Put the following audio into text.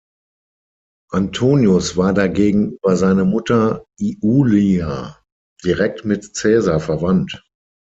Antonius war dagegen über seine Mutter Iulia direkt mit Caesar verwandt.